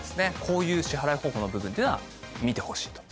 こういう支払い方法の部分っていうのは見てほしいと。